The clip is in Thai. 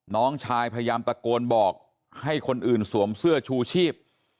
น้องชายพยายามตะโกนบอกให้คนอื่นสวมเสื้อชูชีพ